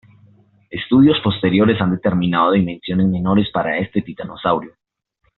Estudios posteriores han determinado dimensiones menores para este titanosaurio.